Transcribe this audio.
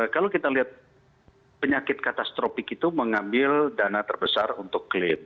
kalau kita lihat penyakit katastropik itu mengambil dana terbesar untuk klaim